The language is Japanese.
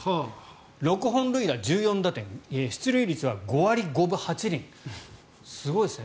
６本塁打、１４打点出塁率は５割５分８厘すごいですね。